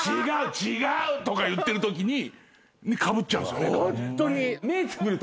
違ーう！とか言ってるときにかぶっちゃうんすよね。